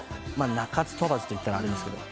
鳴かず飛ばずと言ったらあれですけど。